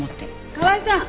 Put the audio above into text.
河合さん！